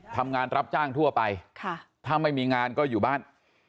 ทำงานรับจ้างทั่วไปถ้าไม่มีงานก็อยู่บ้าน